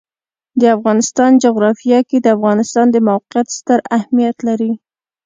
د افغانستان جغرافیه کې د افغانستان د موقعیت ستر اهمیت لري.